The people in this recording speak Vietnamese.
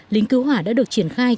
lính cứu hỏa đã được triển khai